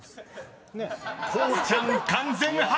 ［こうちゃん完全敗北！］